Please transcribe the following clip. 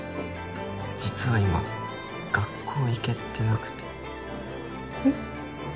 実は今学校行けてなくてえっ？